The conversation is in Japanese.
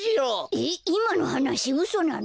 えっいまのはなしうそなの？